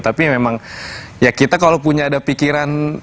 tapi memang ya kita kalau punya ada pikiran